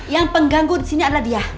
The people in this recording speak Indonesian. yang pengganggu disini adalah dia